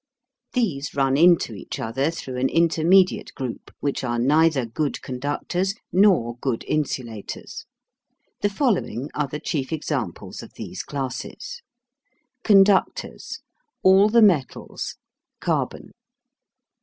These run into each other through an intermediate group, which are neither good conductors nor good insulators. The following are the chief examples of these classes: CONDUCTORS. All the metals, carbon.